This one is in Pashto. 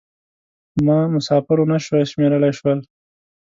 ما مسافر و نه شوای شمېرلای شول.